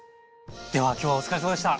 では今日はお疲れさまでした。